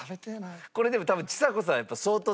これでも多分ちさ子さん相当強い。